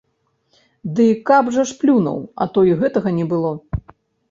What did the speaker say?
Ды каб жа плюнуў, а то і гэтага не было.